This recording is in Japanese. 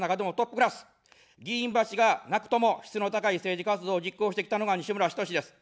議員バッジがなくとも質の高い政治活動を実行してきたのが西村ひとしです。